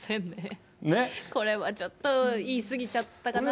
これはちょっと言い過ぎちゃったかな。